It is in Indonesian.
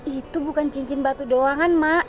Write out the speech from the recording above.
itu bukan cincin batu doangan mak